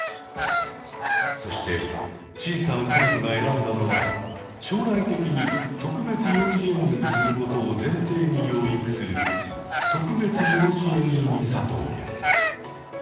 そしてシンさん夫婦が選んだのは将来的に特別養子縁組することを前提に養育する「特別養子縁組里親」。